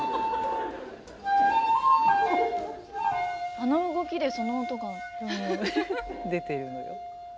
あの動きでその音が。出てるのよ。